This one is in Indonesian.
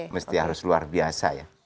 mesti harus luar biasa ya